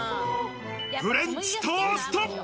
フレンチトースト！